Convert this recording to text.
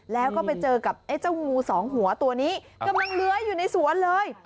แล้วก็ไปเจอกับไอ้เจ้างูสองหัวตัวนี้กำลังเลื้อยอยู่ในสวนเลย